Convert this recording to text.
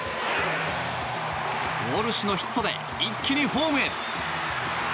ウォルシュのヒットで一気にホームへ。